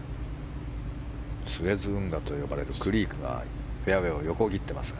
スエズ運河と呼ばれるクリークがフェアウェーを横切っていますが。